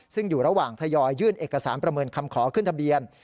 ซึ่งอยู่ระหว่างทยอยยื่นเอกสารประเมินคำขอขึ้นทะเบียน